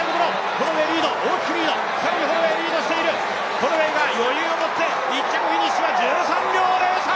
ホロウェイが余裕を持って１着フィニッシュは１３秒０３！